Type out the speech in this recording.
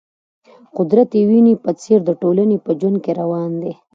قدرت د وینې په څېر د ټولنې په ژوند کې روان دی.